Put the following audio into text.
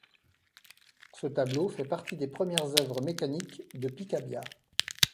Ce tableau fait partie des premières œuvres mécaniques de Picabia.